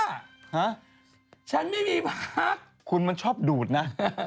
ฮะฉันไม่มีพักคุณมันชอบดูดนะ